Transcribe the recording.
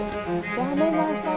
やめなさい。